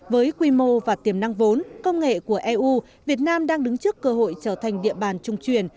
với quy mô và tiềm năng vốn công nghệ của eu việt nam đang đứng trước cơ hội trở thành địa bàn trung truyền